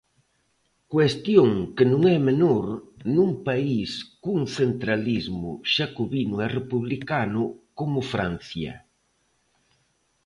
Cuestión que non é menor nun país cun centralismo xacobino e republicano como Francia.